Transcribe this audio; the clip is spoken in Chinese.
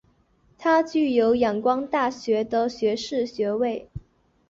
他具有仰光大学的学士学位。